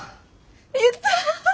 やった。